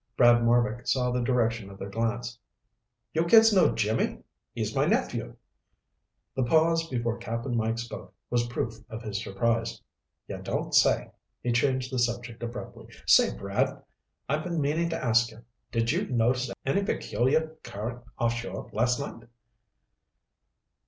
Brad Marbek saw the direction of their glance. "You kids know Jimmy? He's my nephew." The pause before Cap'n Mike spoke was proof of his surprise. "You don't say!" He changed the subject abruptly. "Say, Brad, I've been meaning to ask you. Did you notice any peculiar current offshore last night?"